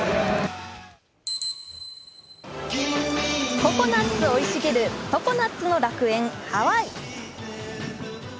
ココナッツ生い茂る常夏の楽園ハワイ。